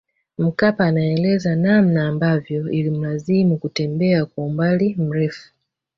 Mkapa anaeleza namna ambavyo ilimlazimu kutembea kwa umbali mrefu